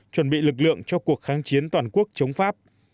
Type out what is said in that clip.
chuẩn bị lực lượng cho cuộc kháng chiến toàn quốc chống pháp